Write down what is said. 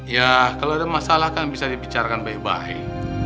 ya kalau ada masalah kan bisa dibicarakan baik baik